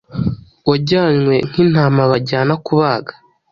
wajyanywe nk’intama bajyana kubaga,